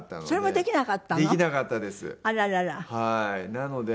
それもできなかったの？